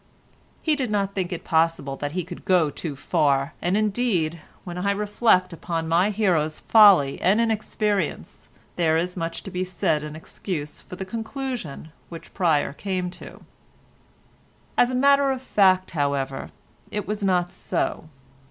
He did not think it possible that he could go too far, and indeed, when I reflect upon my hero's folly and inexperience, there is much to be said in excuse for the conclusion which Pryer came to. As a matter of fact, however, it was not so.